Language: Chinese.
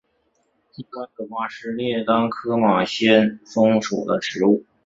鸡冠子花是列当科马先蒿属的植物。